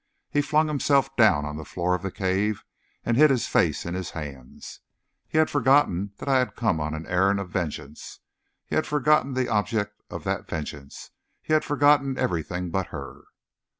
He flung himself down on the floor of the cave and hid his face in his hands. He had forgotten that I had come on an errand of vengeance. He had forgotten the object of that vengeance; he had forgotten everything but her.